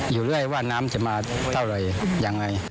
อยู่เรื่อยว่าน้ำจะมาเท่าไหร่ยังไง